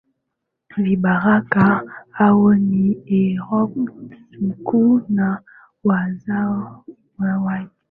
Vibaraka hao ni Herode Mkuu na wazawa wake